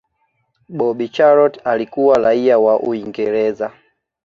bobby Charlton alikuwa raia wa Uingereza